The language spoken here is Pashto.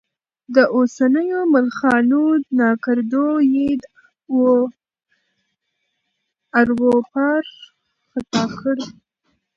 د اوسنيو ملخانو ناکردو یې واروپار ختا کړ.